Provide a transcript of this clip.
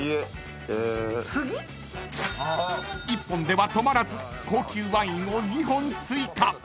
［１本では止まらず高級ワインを２本追加］